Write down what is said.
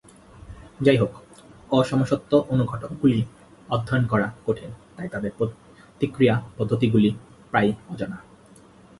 যাইহোক, অসমসত্ব অনুঘটকগুলি অধ্যয়ন করা কঠিন, তাই তাদের প্রতিক্রিয়া পদ্ধতিগুলি প্রায়ই অজানা।